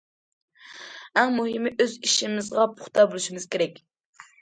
ئەڭ مۇھىمى، ئۆز ئىشىمىزغا پۇختا بولۇشىمىز كېرەك.